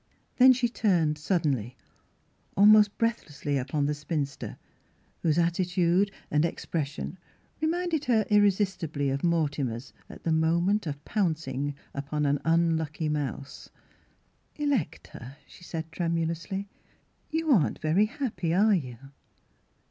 Then she turned suddenly, almost breathlessly, upon the spinster, whose attitude and ex Miss Philura's Wedding Goivn pression reminded her irresistibly of Mor timer's at the moment of pouncing upon an unlucky mouse. " Electa," she said tremulously, " you aren't very happy, are you?